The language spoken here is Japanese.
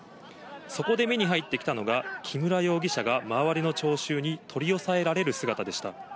そこで目に入ってきたのが、木村容疑者が周りの聴衆に取り押さえられる姿でした。